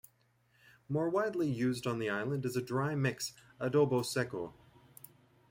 More widely used on the island is a dry mix, "adobo seco".